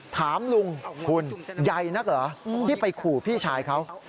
ถามลุงคุณใหญ่นักเหรอที่ไปขู่พี่ชายเขา